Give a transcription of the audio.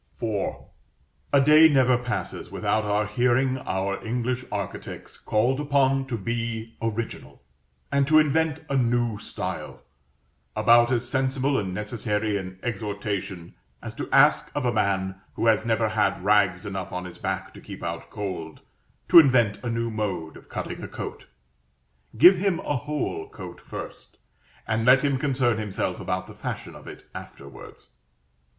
IV. A day never passes without our hearing our English architects called upon to be original, and to invent a new style: about as sensible and necessary an exhortation as to ask of a man who has never had rags enough on his back to keep out cold, to invent a new mode of cutting a coat. Give him a whole coat first, and let him concern himself about the fashion of it afterwards.